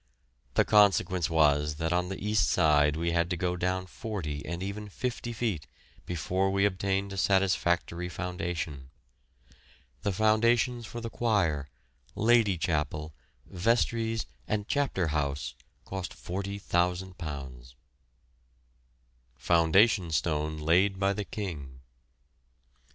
The consequence was that on the east side we had to go down forty, and even fifty feet before we obtained a satisfactory foundation. The foundations for the Choir, Lady Chapel, Vestries, and Chapter House cost £40,000. FOUNDATION STONE LAID BY THE KING.